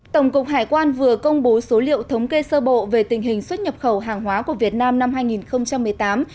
tổng cục hải quan vừa công bố số liệu thống kê sơ bộ về tình hình xuất nhập khẩu hàng hóa của việt nam năm hai nghìn một mươi tám